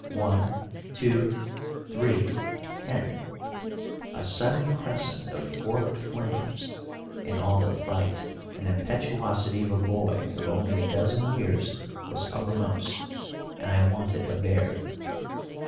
One, two, three, ten! A sudden crescent of forked flames, and all the fight and impetuosity of a boy of only a dozen years was uppermost, and I wanted a bear!